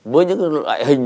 với những loại hình